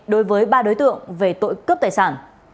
đối với ba đối tượng về tội cướp tài sản